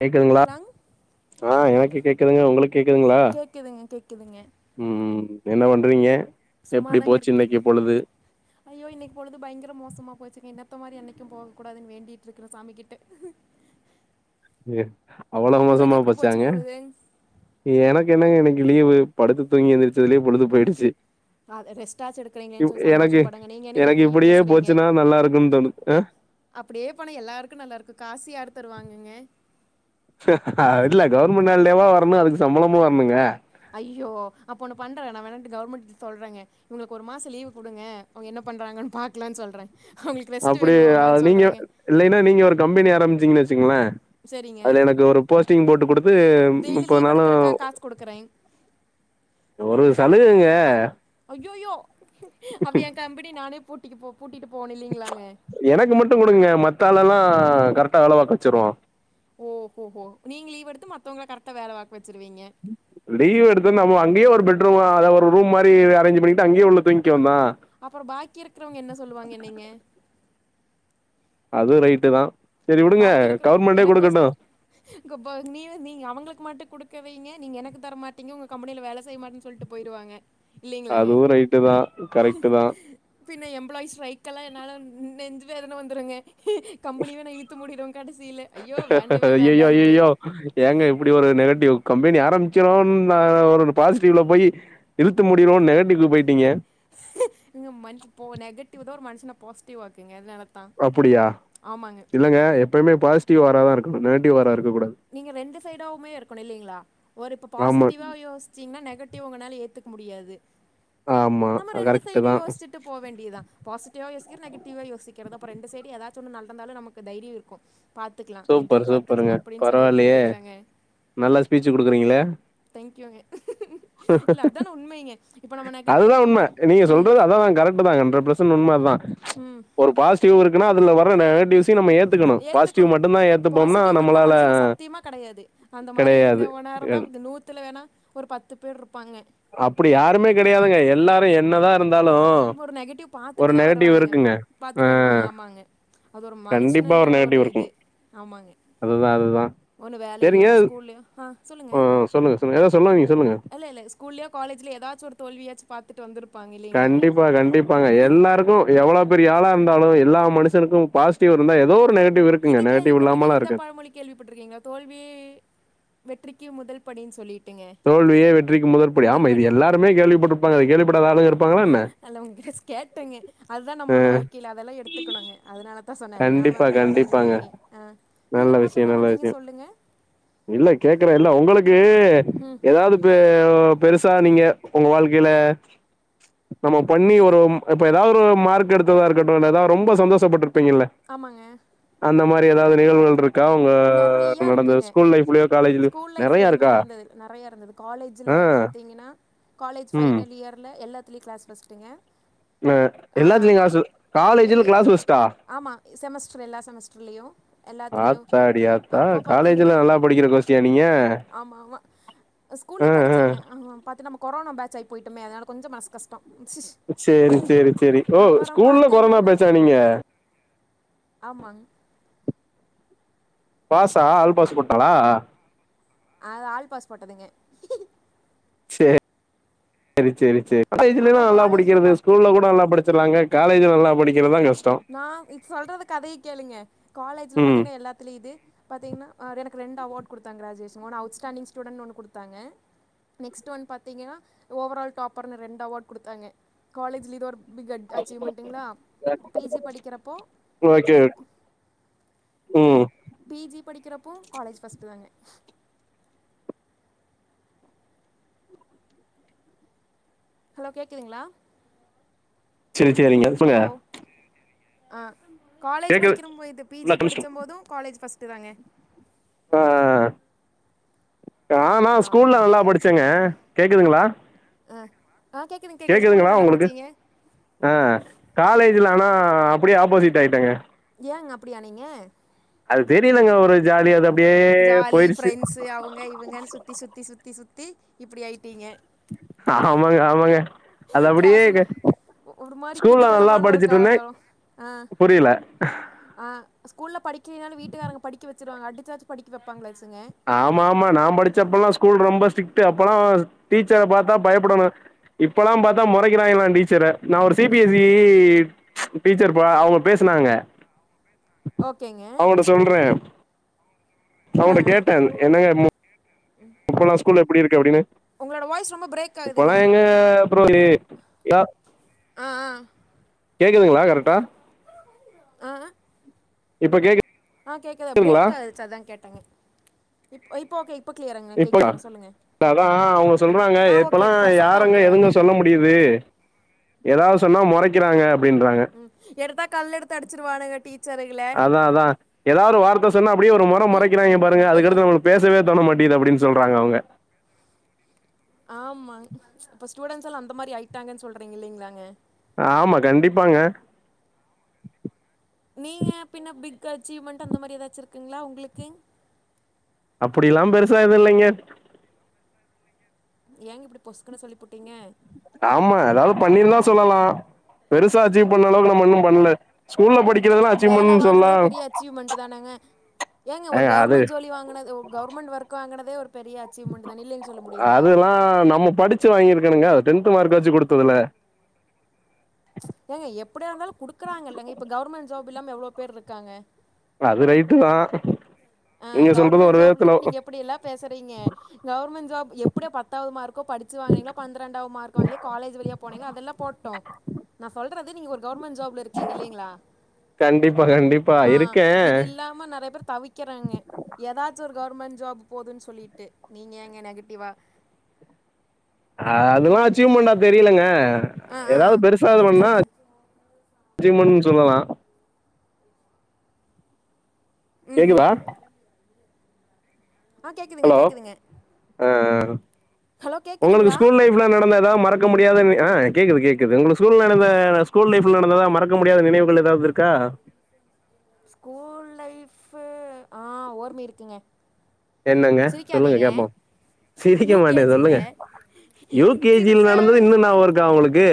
கேக்குதுங்ளா லாங் ஆ எனக் கேக்குதுங்க உங்களுக் கேக்குதுங்ளா கேக்குதுங்க கேக்குதுங்க ம் என்ன பண்றீங்க எப்டி சும்மாதாங் போச்சு இருக்கே இன்னைக்கு பொழுது ஐயோ இன்னைக் பொழுது பயங்கர மோசமா போச்சுங்க இன்னத்த மாதிரி என்னைக்கு போகக்கூடாதுனு வேண்டிட்டு இருக்கே சாமிகிட்ட எ அவ்ளோ மோசமா உங்களுக்கு எப்படி போச்சு போச்சாங்க பொழுது எனக்கு என்னங்க இன்னைக் லீவு படுத்து தூங்கி எந்திரிச்சதுலே பொழுது போயிடுச்சு அது ரெஸ்டாச்சு எடுக்கிறீங்களேன்னு சொல்லி எனக்கு சந்தோஷப்படுங்க நீங்க என்னங்க எனக்கு இப்படி இப்டியே பேசுறீங்க போச்சுனா நல்லா இருக்குனு தோணுது ஆ அப்டியே போனா எல்லாருக்கு நல்லா இருக்கு காசு யாரு தருவாங்கங்க அ இல்ல கவர்மெண்ட் ஹாலிடேவா வரணு அதுக்கு சம்பளமு வரணுங்க ஐயோ அப்ப ஒண்ணு பண்றே நா வேணாட் கவர்மெண்ட்ட சொல்றேங்க இவங்களுக் ஒரு மாசம் லீவ் குடுங்க அவங்க என்ன பண்றாங்கனு பாக்கலானு சொல்றே அவங்களுக் ரெஸ்ட் வேணுமாமனு சொல்றேங்க இல்லைனா நீங்க ஒரு கம்பெனி ஆரம்பிச்சீங்கனு வச்சீங்களே சரிங்க அதுல எனக் ஒரு போஸ்டிங் போட்டு குடுத்து டெய்லி முப்பது லீவ் நாளு எடுக்கிறக்கா காசு குடுக்குறேன் ஒரு சலுகங்க அய்யயோ அப்போ ஏ கம்பெனி நானே பூட்டிட்டு போ பூட்டிட்டு போணு இல்லையங்ளாங்க எனக் மட்டு குடுங்க மத்தா ஆலல்லா கரெக்டா வேல பாக்க வச்சிருவோ ஓ ஓஹோ நீங்க லீவ்வெடுத்து மத்தவங்கள கரெக்டா வேல பாக்க வச்சுருவீங்க லீவு எடுத்து நம்ம அங்கேயே ஒரு பெட்ரூம் அ அதாவ ஒரு ரூம் மாறி அரேஞ்சு பண்ணிட்டு அங்கேயே உள்ள தூங்க்கவேண்ட்தா அப்றோ பாக்கி இருக்கறவங்க என்ன சொல்லுவாங்க என்னயங்க அதுவு ரைட்டு தா சேரி விடுங்க பாக்கி இருக்கிற கவர்மெண்டே எனக்கு ஃபர்ஸ்ட் குடுக்கட்டு இங்க ப நீ நீ அவங்களுக்கு மட்டு குடுக்க வைங்க நீங்க எனக்கு தர மாட்டீங்க உங்க கம்பெனியில வேல செய்ய மாட்டேனு சொல்லிட் போய்றுவாங்க அதுவு ரைட்டு தா கரெக்டு தா பின்ன எம்ப்ளாயிஸ் ரைக் எல்லா என்னால நெஞ்ச எதன வந்துருங்க கம்பெனிவே நா இழுத் மூடிறுவோ கடைசியில ஐயோ வேண்டவே ஐயையோ வேண்டான்டு ஐயையோ ஏங்க இப்டி ஒரு நெகட்டிவ் கம்பெனி ஆரம்பிச்சிடுவோனு நா ஒரு பாசிட்டிவ்ல போயி இழுத்து மூடிறுவோம் நெகட்டிவ்க்கு போயிட்டீங்க இங்க மனச் நெகட்டிவ் தான் ஒரு மனுஷன பாசிட்டிவ் வாக்குங்க அதனால தான் அப்டியா ஆமாங்க. இல்லைங்க எப்பயுமே பாசிட்டிவ் வாராதான் இருக்கணும் நெகட்டிவ் வாரா இருக்க கூடாது நீங்க ரெண்டு சைடாவுமே இருக்கணும் இல்லைங்களா ஒரு இப்ப ஆமா பாசிட்டிவா யோசி சிங்கனா நெகட்டிவ் உங்கனால ஏத்துக்க முடியாது ஆமா நம்ம ரெண்டு கரெக்ட்டு சைடும் தான் யோசிச்சுட் ட்டு போ வேண்டியதான் பாசிட்டிவா யோசிக்கிற நெகட்டிவா யோசிக்கிறது அப்ப ரெண்டு சரி ஏதாச்சு நடந்தாலும் நமக்கு தைரியம் இருக்கும் பாத்துக்கலாம் சூப்பர் சூப்பருங்க எதிர்பாத்துக்கலாம் அப்டின்னு சொல்லியிருக்கோம் பரவாயில்லயே இல்லைங்களாங்க நல்லா ஸ்பீச்சு குடுக்குறீங்களே தேங்க்யூங்க இல்ல அதான் உண்மைங்க இப்ப நம்ம நெகட்டிவ் அதுதான் இப்ப உண்ம நீங்க ம் சொல்றது அதான் கரெக்ட்டு தான் ஹண்ட்ரட் பெர்சன்ட் உண்ம அதான் ம் ஒரு பாசிட்டிவ் இருக்குனா அதுல வர நெகட்டிவ்ஸ்சயும் நம்ம ஏத்துக்கணும் பா க்கணும் பாசிட்டிவ் மட்டும் தான் மனுஷனுக்கு சத்தியமா கெடையாது அந்த மாதிரி கெடையாது இருந்தவ நேரான் நூத்துல வேணா ஒரு பத்து பேர் இருப்பாங்க அப்டி யாருமே கெடையாதுங்க எல்லாரும் என்னதா இருந்தாலு ஒரு நெகட்டிவ் ஒரு பாத்துட்டு தான் நெகட்டிவ் வருவானுக இருக்குங்க ஆ பாத்துட்டு வருவாங்க ஆமாங்க அது ஒரு கண்டிப்பா மனுஷனுர்களோட ஒரு நெகட்டிவ் இருக்கு இது ஆமாங்க அதுதா அதுதா ஒன்னு வேலையிலயோ செரிங்க இல்ல ஸ்கூல்லயோ ஆ சொல்லுங்க ஆ சொல்லுங்க சொல்லுங்க ஏதோ சொல்ல வந்தீங்க சொல்லுங்க இல்ல இல்ல ஸ்கூல்லயோ காலேஜ்லயோ ஏதாச்சு ஒரு தோவியாச்சு பாத்துட்டு வந்தருப்பாங்க இல்லைங்களாங்க கண்டிப்பா கண்டிப்பாங்க எல்லாருக்கும் எவ்ளோ பெரிய ஆளா இருந்தாலும் எல்லா மனுஷனுக்கும் பாசிட்டிவ் இருந்தா ஏதோ ஒரு நெகட் டிவ் இருக்குங்க இது நெகட்டிவ் இல்லாமலாம் இருக்காது கேள்விப்பட்டிருக்கீங்க தோல்வியே வெற்றிக்கு முதல் படின்னு சொல்லிட் தோல்வியே வெற்றிக்கு முதற்படி ஆமா இது எல்லாருமே கேள்விப்பட்டிருப்பாங்க கேள்விப்படாத ஆளு இருப்பாங்களா என்ன நா உங்கிட்ட கேட்டேங்க அதுதான் நம்மளோட வாழ்க்கையில அதெல்லா எடுத்துக்கணுங்க அதனால தா சொன்ன இல்லாமல் கண்டிப்பா வேறு எதும் கண்டிப்பாங்க இல்லைங்க ஆ நீங்க நல்ல என்னமோ விஷயோ சொல்ல நல்ல வந்தீங்க விஷயோ சொல்லுங்க இல்ல கேக்குறேன் இல்ல உங்களுக்கு ம் ஏதாவது பெ பெருசா நீங்க உங்க வாழ்க்கையில நம்ம பண்ணி ஒரு இப்ப ஏதாவது ஒரு மார்க் எடுத்ததா இருக்கட்டும் ஏதாவது ரொம்ப சந்தோஷப்பட்டு இருப்பிங்கள ஆமாங்க அந்த மாரி ஏதாவது நிகழ்வுகள் இரு க்கா உங்க நெறையா நடந்த இருக்குங்க ஸ்கூல் லைஃப்லயோ காலேஜ்லயு நறையா இருக்கா காலேஜில ஆ பார்த்தீங்கன்னா காலேஜ் ம் ஃபைனல் இயர்ல்ல எல்லாத்துலயும் கிளாஸ் ஃபஸ்ட்டுங்க வ ஆ எல்லாத்துலையும் அ காசு எ காலேஜ்ல எ கிளாஸ் ஃபஸ்ட்டா ஆமா செமஸ்டர் எல்லா செமஸ்டர்லயு எல்லாத்துலயும் ஆத்தாடி ஆத்தா அப்போ காலேஜ்ல பாத்தீங்கன்னா நல்லா படிக்கிற கோஷ்டியா நீங்க ஆமா ஆமா ஸ்கூல்லயே படிச் ங்க ஆ பாத்து நம்ம கொரோனா பேட்ச் ஆய் போயிட்டோமே அதனால கொஞ்சம் மனசு கஷ்டம் சேரி சேரி சேரி ஓ ஸ்கூல்ல கொரோனா பாத்தீங்கன்னா பேச்சா நீங்க ஆமா பாசா ஆல் பாஸ் போட்டானா அ ஆள் பாஸ் போட்டதுங்க சேரி சேரி சேரி சேரி காலேஜ்லயே அப்போ நல்லா காலேஜ்ல படிக்கிறது பாத்து ஸ்கூல்ல கூட நல்லா படிச் ச்சுறாங்க காலேஜ்ல நல்லா படிக்கிறதான் கஷ் நான் இப்ப சொல்றத கதைய கேளுங்க காலேஜ்ல ம் பாத்தீங்கன்னா எல்லாத்துலயும் இது பார்த்தங்கன்னா எனக்கு ரெண்டு அவார்ட் குடுத்தாங்க கிரஜுவேஷன் ஒன்னு அவுட்ஸ்டாண்டிங் ஸ்டூடண்ட் ஒன்னு குடுத்தாங்க நெக்ஸ்ட் ஒன் பாத்தீங்கன்னா ஓவரால் டாப்பர்னு ரெண்டு அவார்ட் குடுத்தாங்க காலேஜ்லீடர் பிக் அச்சீவ்மெண்ட்டுங்களா பி ஜி படிக்கறப்போ ஓகே ம் பி ஜி படிக்கறப்போ காலேஜ் ஃபர்ஸ்ட்டு தாங்க ஹலோ கேட்குதுங்களா சரி சரிங்க சொல்லுங்க ஹலோ ஆ காலேஜ் கேக்குது படிக்கிறும் போ இது பி ஜி படிச்ச போது காலேஜ் ஃபஸ்ட்டு தாங்க ஆ ஆ நானா ஆமாம் ஸ்கூல்ல நல்லா அப்படிதான் படிச்சேங்க கேட்குதுங்களா அ அ கேக்குதுங் கேட்குதுங்களா உங்களுக்கு ஆ காலேஜ்ல ஆனா அப்டே ஆப்போசிட் ஆய்ட்டங்க ஏங்க அப்டி ஆனீங்க அது தெரிலங்க ஒரு ஜாலிய அத ஜாலி ஃப்ரெண்ட்ஸு அவங்க இவங்கன்னு சுத்தி சுத்தி சுத்தி சுத்தி இப்டி ஆய்ட்டீங்க ஆமாங்க ஆமாங்க அது அப்டியே கிளாஸுன்னு இருக்கு ஒரு மாரி குதுகலமான ஒரு காதல ஆ புரியல ஆ ஸ்கூல்ல படிக்கலினாலு வீட்டுக்காரங்க படிக்க வச்சுருவாங்க அடிச்சாச்சு படிக்க வைப்பாங்களாச்சுங்க ஆமா ஆமா நா படிச்சப்பல்லா ஸ்கூல் ரொம்ப ஸ்ட்ரிக்ட் அப்பெல்லா டீச்சர பாத்தா பயப்படணு இப்பொல்லா பாத்தா மொறைக்கிறாய்ங்களா டீச்சர நா ஒரு C B S C teacher போ அவங்க பேசுனாங்க ஓகேங்க சொல்றே ஆ அவன ஆ கேட்ட என்னங்க [inaudible] இப்பல்லா ஸ்கூல்ல எப்டி இருக்கு அப்டின்னு உங்களோட வாய்ஸ் ரொம்ப பிரேக் ஆகுதுங்க இப்பல்லா எங்கங்க ப்ரோ லி ய ஆ ஆ கேட்குதுங்களா கரட்டா அஅ இப்ப கேக்கு ஆ கேட்கதா பிரேக் ஆயிருச்சி அதா கேட்டங்க இப்ப இப்போ ஓகே இப்போ கிளியராங்க இப்ப கேட்குதுங்க சொல்லுங்கள் ப அதா அவுங்க சொல்றாங்க ஆ ஓகே இப்பலா பர்ஃபெக்டாக யாரங்க எதுங்க ஓகேவாங்க சொல்ல முடி டிவு எதாவது சொன்னா மொறைக்கிறாங்க அப்டின்றாங்க ம் எடுத்தா கல் எடுத்து அடிச்சிருவானுங்க டீ அதா அதா எதாவது ஒரு வார்த்த சொன்னா அப்டே ஒரு மொற இல்லை மொறைக்கிறாய்ங்க பாருங்க இல்லை அதுக்கடுத்து நம்மளுக்கு பேசவே தோண மாட்டிது அப்டின்னு சொல்றாங்க அவுங்க ஆமா இப்போ ஸ்டூடெண்ட்ஸ் எல்லா அந்த மாரி ஆய்ட்டாங்கன்னு சொல்றீங்க இல்லைங்களாங்க ஆமா கண்டிப்பாங்க நீங்க பின்ன பிக் அச்சீவ்மெண்ட் அந்த மாதிரி எதாச்சிருக்குங்களா உங்களுக்கு அப்டில்லா பெருசா எது இல்லைங்க ஏங்க இப்டி பொசுக்குன்னு சொல்லி புட்டீங்க ஆமா எதாவது பண்ணிருந்தா சொல்லலா பெருசா அச்சீவ் பண்ண அளவுக்கு நம்ம இன்னு பண்ல ஸ்கூல்ல படிக்கிறதெல்லா வேல அச்சீவ்மண் சொல்லா வாங்குனதே பெரிய அச்சீவ்மெண்ட் தானங்க ஏங்க ஒரு கவர்மெண்ட் ஜோலி வாங்கனது ஒரு கவர்மெண்ட் ஒர்க் வாங்கனதே ஒரு பெரிய அச்சீவ்மெண்ட் தா இல்லைன்னு சொல்ல முடியுங்களா ஆ நம்ம படிச் சு வாங்கிருக்கனுங்க டென்த் மார்க் வச்சு குடுத்ததுல ஏங்க எப்டியா இருந்தாலு குடுக்குறாங்கல்லங்க இப்ப கவ்ர்மெண்ட் ஜாப் இல்லாம எவ்ளோ பேர் இருக்காங்க அது ரைட்டு தா நீங்க சொல்றது ஒரு விதத்துல ஒ ஒ அப்புடி எல்லா பேசுறீங்க கவர்மண்ட் ஜாப் எப்புட்யா பத்தாவு மார்க்கு படுச்சு வாங்குனீங்களோ பன்டுரெண்டாவ் மார்க் வாங்கிளே காலேஜ் வழியா போனேங்களோ அதெல்லா போ டு நா சொல்றது நீங்க ஒரு கவர்மண்ட் ஜாப்ல இருக்கீங்க இல்லெங்ளா கண்டிப்பா கண்டிப்பா ஆ இருக்கே இது இல்லாம நறையா பேர் தவி க்கெறாங்க எதாச்சு ஒரு கவர்மண்ட் ஜாப் போதுன்னு சொல்லிட்டு நீங்க எங்க நெகட்டிவ்வா ஆ அதெல்லா அச்சீவ்மெண்டா தெரிலங்க ஆ ஆ ஆ எதாவு பெருசா இது பண்ணா புரிஞ்சுதுங்க அச்சீவ்மென்ட் ன்னு சொல்லலா ம் ம் கேக்குதா ஆ கேக்குதுங்க ஹலோ கேக்குதுங்க ஆ ஹலோ கேக்குதுங்களா ஸ்கூல நடந்த எதாவ் மறக்க முடியாதுனு அ கேக்குது கேக்குது உங்க ஸ்கூல்ல நடந்த ஸ்கூல் லைஃப்ல நடந்ததா மறக்க மறக்க முடியாத நினைவுகள் எதாவ்து இருக்கா ஸ்கூல் லைஃப்பு ஆ ஓர்மி இருக்குங்க என்னங்க சொல்லுங்க கேப்போ யூ கே ஜி ல யூ கே ஜி ல சிரிச்சா நடந்தது இன்னு ஞாபகம் இருக்கா உங்களுக்கு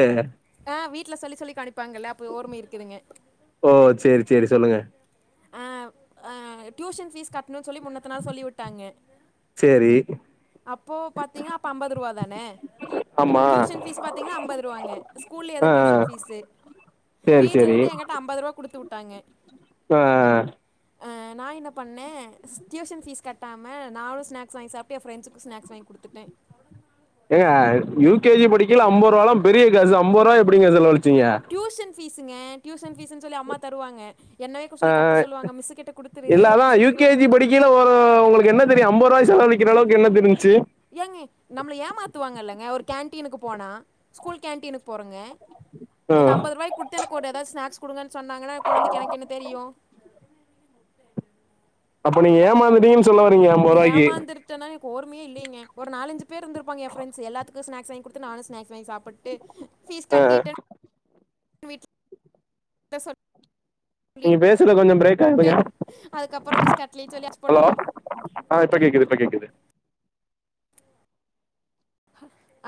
வீட்ல சொல்லி சொல்லி கணிப்பாங்கல்ல அப்ப ஓரீமி இருக்குதுங்க ஓ சேரி சேரி சொல்லுங்க ஆ டியூஷன் ஃபீஸ் கட்ணுன் சொல்லி முன்னத்த நாள் சொல்லி உட்டாங்க சேரி அப்போ பாத்தீங்கன்னா அப்ப அம்பது ருவா தான ஆமா டியூசன் ஃபீஸ் பாத்தீங்கனா அம்பது ருவா ங்க ஸ்கூலெயே ஆ தா டியூஷன் ஃபீஸ்ஸு சேரி சேரி அப்பா அம்பது ருவா குடுத்து உட்டாய்ங்க ஆ ஆ ஆ நா என்ன பண்ணே டியூஷன் ஃபீஸ் கட்டாம நானு ஸ்நாக்ஸ் வாங்கி சாப்ட்டு ஏ ஃப்ரெண்ட்ஸுக்கும் ஸ்நாக்ஸ் வாங்கி குடுத்துட்டே ஏங்க யூ கே ஜி படிக்கைல்ல அம்பொர்வாலா பெரிய காசு அம்பொர்வாயா எப்பிடிங்க செல வளிச்சீங்க டியூஷன் ஃபீஸுங்க டியூஷன் ஃபீஸ்ன்னு சொல்லி அம்மா தருவாங்க என்னவே குக் சொல்லி கட்ட சொல்லுவாங்க மிஸ்ஸு கிட்ட குடுத்துரு அப்டி சொல்லி கு கீழ ஒரு உங்களுக்கு என்ன தெரியு அம்பொர்வா செலவு விக்கிற அளவுக்கு என்ன தெருந்ச்சு ஏங்க நம்மள ஏமாத்துவாங்க இல்லங்க ஒரு கேன்டீன்க்கு போனா ஸ்கூல் கேன்டீன்க்கு போறொங்க ஆ இந்த அம்பர்ரூவாய்க் குடுத்து எனக்கு ஒரு எதாவ்து ஸ்நேக்ஸ் குடுங்கன்னு சொன்னாங்கன்னா கொழந்தெக்கு எனக்கு என்ன தெரியு அப்ப நீங்க ஏமாந்துட்டீங் சொ ஏமாந்திரு ட்டனா இப்ப கோருமியே இல்லங்க ஒரு நாலஞ்சு பேர் இருந்திருப்பாங்க ஏ ஃப்ரெண்ட்ஸுஎல்லாத்துக்கு ஸ்நேக்ஸ் வாங்கி குடுத்து நானு ஸ்நேக்ஸ் வாங்கி சாப்புட்டு ஃபீஸ் கட்டிட்டன் வீட் ல சொல் லீ நீங்க பேசுறது கொஞ்சம் பிரேக் ஆகுதுங்க டன் அதுக்கப்பறோ ஃபீஸ் கட்லன் சொல்லி அடி போ ஹலோ ஆ இப்ப கேக்குது இப்ப கேக்குது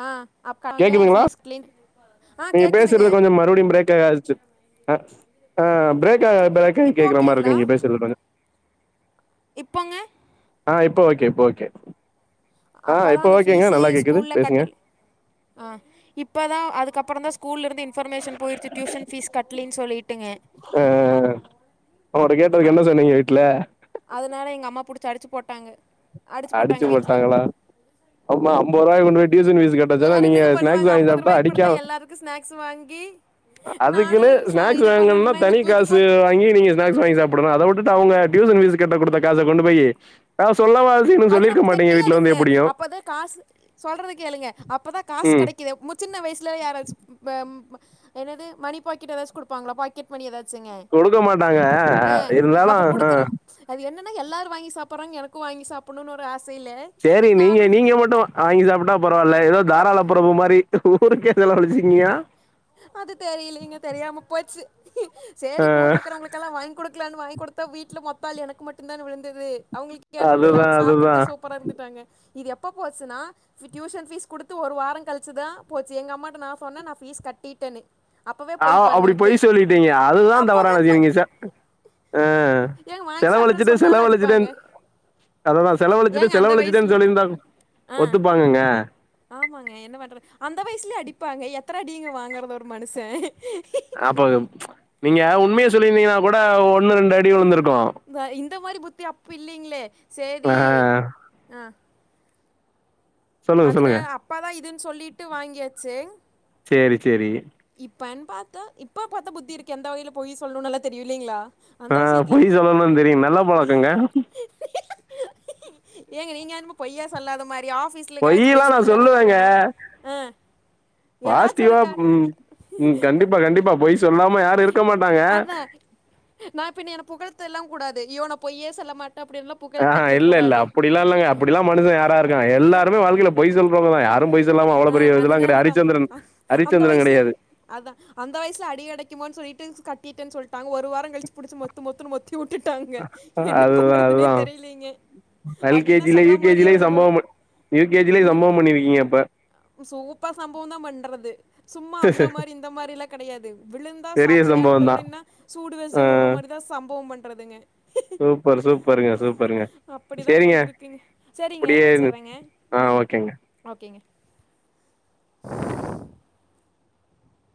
ஆ அக்காய்ங்க கேக்குதுங்களா ஃபீஸ் க்ளீன் நீங்க பேச்றது கொஞ்சொ மறுபடியு ப்ரேக் ஆச்சு ஆ ஆ ப்ரேக் ஆ இப் ப்ரேக் ஆயி இப்போ கேக்குற மார் இருக்கு ஓகேங்களா நீங்க பேசுறது கொஞ்சொ இப்பொங்க ஆ இப்போ ஓகே இப்போ ஓகே ஆ அப்ப தா இப்ப அந்த ஓகேங்க ஃபீஸே நல்லா கேக்குது ஸ்கூல்ல பேசுங்க கட்ட ஆ இப்போ தா அதுக்கப்பறோ தா ஸ்கூல்ல இருந்து இன்ஃபர்மேஷன் போயிடுச்சு டியூஷன்ஃபீஸ் கட்லின்னு சொல்லிட்டுங்க அ அப்றோ கேட்டதுக்கு என்ன சொன்னீங்க வீட்ல அதனால எங்க அம்மா புடிச்சி அடிச்சி போட்டாங்க அடிச்சு அடிச்சி போட்டாங்க வீட்டில் போட்டாங்களா ஆமா அம்போது ரூவாய கொண்டு போய் டியூசன் ஃபீஸ் கட்ட சொன்னா வேறு நீங்க என்னங்க ஸ்நாக்ஸ் பண்ணுவாங்க வாங்கி ஐம்பது சாப்டா ரூபாய்க்கு கொடுத்தா அடிக்காமே எல்லாருக்கும் ஸ்நாக்ஸ் வாங்கி அதுக்குன்னு நானும் ச ஸ்நாக்ஸ் இது வாங்கணுனா பண்ணணுன்னா என்னை தனி தூக்கி காசு போட்டு வாங்கி நீங்க ஸ்நாக்ஸ் வாங்கி சாப்பிடணு அத வுட்டுட்டு அவுங்க டியூசன் ஃபீஸ் கட்ட குடுத்த காச கொண்டு போயி அ சொல்லவா செய்யணு அது சொல்லிருக்க நமக்கு மாட்டீங்க வீட்ல வந்து தெரியாதுங்களே எப்டியு அப்பதா காசு சொல்றது கேளுங்க அப்பதா காசு ம் கெடைக்கு எ முத் சின்ன வயசுல யாராச்சு ப ம் ம என்னது மணி பாக்கெட் ஏதாச்சு குடுப்பாங்களா பாக் கெட் மணி ஏதாச்சுங்க குடுக்க மாட்டாங்க அ இருந்தாலு அப்ப ஆ குடுக்குறே அது என்னன்னா எல்லாரு வாங்கி சாப்பிடுறாங்க எனக்கு வாங்கி சாப்பிணுனு ஒரு ஆ ஸ் செரி நீங்க நீங்க மட்டு வாங்கி சாப்டா பரவால்ல எதோ ப தாராள பிரபு மாரி ஊருக்கே செலவலிச்சிக்கிங்யா அது தெரியலீங்க தெரியாம போச்சு செரி ஆ கூட இருக்குறவங்கக்கெல்லா வாங்கி குடுக்கலானு வாங்கி குடு த்த வீட்ல மொத்தாள் எனக்கு மட்டு தான விழுந்தது அவுங்களுக்கு யாருக்கு விழுகல அதுதா அவுங்க அதுதா சாப்பிட்டு சூப்பரா இருந்துட்டாங்க இது எப்ப போச்சுனா ஃபி டியூஷன் ஃபீஸ் குடுத்து ஒரு வாரோ கழிச்சி தா போச்சு எங்க அம்மாட்ட நா சொன்னே நா ஃபீஸ் கட்டிட்டேன்னு அப்பவே போய் ஆவ் பாருங்க அப்டி எனக்கு. பொய் சொல்லிட்டீங்க அதுதா அப்பவே தவறானது போய் நீங்க ச அ ஏங்க வாங்கி சாப்பிட்டேன்னு செலவழிச்சுட்டு சொன்னாலும் அடிப்பாங்க. செலவுவழிச்சுட்டேனு அதுதா செலவழிச்சிட்டு ஏங்க அந்த வயசுல செலவழிச்சிட்டேன்னு சொல்லிருந்தாங் ஆ ஒத்துப்பாங்கங்க ஆமாங்க என்ன பண்றது அந்த வயசுலயு அடிப்பாங்க எத்தன அடிங்க வாங்கறது ஒரு மனுஷே அப்போ நீங்க உண்மைய சொல்லிருந்தீங்கன்னா கூட ஒன்று ரெண்டு அடி விழுந்திருக்கு இந்த இந்த மாரி புத்தி அப்போ இல்லைங்களே செரி ஆ ஆ சொல்லுங்க அதுன சொல்லுங்க அப்பதா இதுன்னு சொல்லிட்டு வாங்கியாச்சேங் சேரி சேரி இப்பன்னு பாத்த இப்ப பாத்த புத்தி இருக்கு எந்த வகைல பொய் சொல்லணுனு ல்லா தெரியு இல்லைங்களா ஆ அந்த விஷயத்தில் பொய் சொல்லணுனு தெரியு நல்ல பழக்கங்க ஏங்க நீங்க என்னமோ பொய்யோ சொல்லாத மாரி ஆஃபிஸ் பொய் எல்லா நா சொல்லுவேங்க ஆ ஏதாச்சும் ஒரு பாசிட்டிவா கார் ம் ம் இப்ப- கண்டிப்பா கண்டிப்பா பொய் சொல்லாம யாரு இருக்க மாட்டாங்க நா பின் என்ன புகழ்த எல்லா கூடாது ய்யோ நா பொய்யே செல்ல மாட்டே அப்டின்ல்லா ஆ ஹ இல்ல இல்ல அப்டிலா இல்லங்க அப்டிலா மனுஷே யாரா இருக்க எல்லாருமே வாழ்க்கைல பொய் சொல் ப்ப தா யாரு பொய் சொல்லாம அவ்ளோ ஆ பெரிய இதெல்லா கெடையாது அதனாலதான் அரிச்சந்திரன் அரிச்சந்திரன் கெடையாது அதா அந்த வயசுல அடி கெடைக்குமோனு சொல்லிட்டு கட்டிடேனு சொல்ட்டாங்க ஒரு வாரோ கழிச்சு புடிச்சு மொத்து மொத்துனு மொத் தி வுட்டுட்டாங்க என்ன அதுதா பண்றதுனே அதுதா தெரிலேங்கே எல் கே ஜி ல யூ கே ஜி லேயு சம்பவோ ப யூ கே ஜி லேயு சம்பவோ பண்ணிருக்கீங்க அப்ப சூப்பா சம்பவோ தா பண்றது சும்மா அந்த மாரி இந்த மாரி எலா கெடையாது விழுந்தா பெரிய சாட்டையால சம்பவந்தா விழுகணு இன்னா சூடு வச்சு ஆ விடுற மாரிதா சம்பவோ பண்றதுங்க சூப்பர் சூப்பருங்க சூப்பருங்க அப்டி தா சேரிங்க போய்ட்டுருக்குங்க செரிங்க அப்டியே வச்சுறேங்க ஆ ம் ஓகேங்க ஓகேங்க